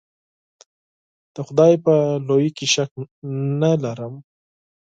د خدای په لویي کې شک نه ارم.